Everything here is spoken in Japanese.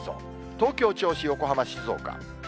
東京、銚子、横浜、静岡。